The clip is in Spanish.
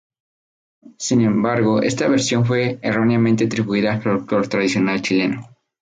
Sin embargo, esta versión fue erróneamente atribuida al folklore tradicional chileno.